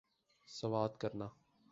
سوات کرنا